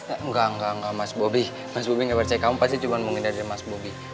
enggak enggak mas bobby mas bobby gak percaya kamu pasti cuma mau hindari mas bobby